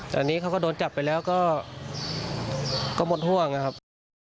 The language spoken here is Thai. ตอนนี้เขาก็โดนจับไปแล้วก็หมดห่วงนะครับ